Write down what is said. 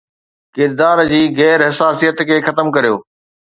ڪردار جي غير حساسيت کي ختم ڪريو